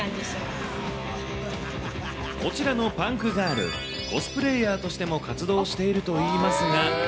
こちらのパンクガール、コスプレイヤーとしても活動しているといいますが。